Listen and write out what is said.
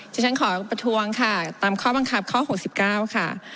ฉันขอประท้วงค่ะตามข้อบังคับข้อ๖๙ค่ะ